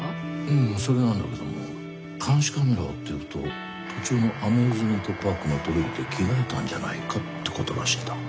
うんそれなんだけども監視カメラを追っていくと途中のアミューズメントパークのトイレで着替えたんじゃないかってことらしいんだ。